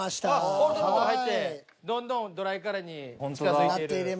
ホールトマトが入ってどんどんドライカレーに近づいている。